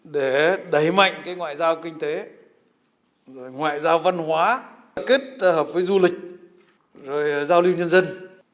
để đẩy mạnh cái ngoại giao kinh tế ngoại giao văn hóa kết hợp với du lịch rồi giao lưu nhân dân